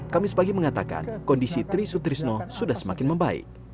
kamis pagi mengatakan kondisi tri sutrisno sudah semakin membaik